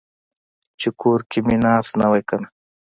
چې کور کې مې ناست نه وای کنه.